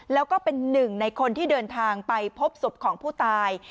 แล้วก็เป็นหนึ่งในคนที่เดินทางไปพบศพของผู้ตาย